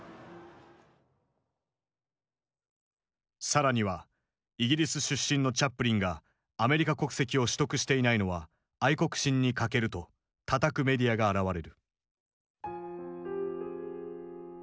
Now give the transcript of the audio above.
更には「イギリス出身のチャップリンがアメリカ国籍を取得していないのは愛国心に欠ける」とたたくメディアが現れる。